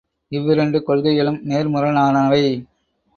இவ்விரண்டு கொள்கைகளும் நேர்முரணானவை.